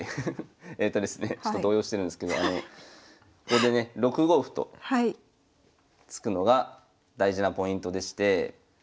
えとですねちょっと動揺してるんですけどここでね６五歩と突くのが大事なポイントでして。